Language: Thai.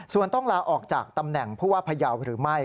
ส่วนต้องลาออกจากตำแหน่งผู้ว่าพยาวหรือไม่